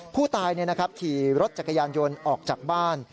ผู้ตายขี่รถจักรยานยนต์ออกจากบ้าน